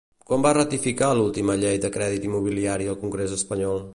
Quan va ratificar l'última llei de crèdit immobiliari el congrés espanyol?